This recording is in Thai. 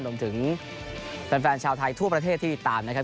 รวมถึงแฟนชาวไทยทั่วประเทศที่ติดตามนะครับ